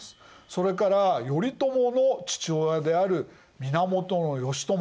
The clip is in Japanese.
それから頼朝の父親である源義朝